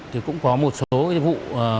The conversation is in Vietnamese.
thì cũng có một số vụ